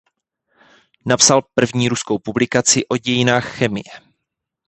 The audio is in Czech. Napsal první ruskou publikaci o dějinách chemie.